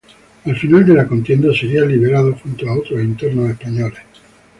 Al final de la contienda sería liberado, junto a otros internos españoles.